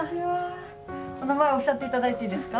お名前おっしゃっていただいていいですか？